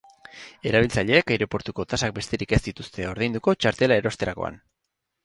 Erabiltzaileek aireportuko tasak besterik ez dituzte ordainduko txartela erosterakoan.